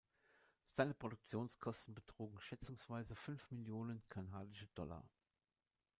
Seine Produktionskosten betrugen schätzungsweise fünf Millionen Kanadische Dollar.